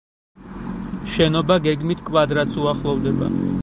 შენობა გეგმით კვადრატს უახლოვდება.